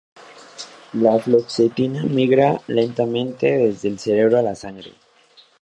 La fluoxetina migra lentamente desde el cerebro a la sangre.